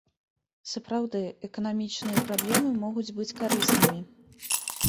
Сапраўды, эканамічныя праблемы могуць быць карыснымі.